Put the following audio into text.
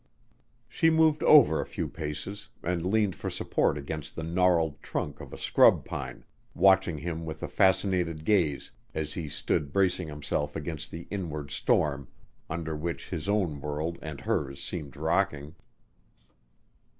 She moved over a few paces and leaned for support against the gnarled trunk of a scrub pine, watching him with a fascinated gaze as he stood bracing himself against the inward storm under which his own world and hers seemed rocking.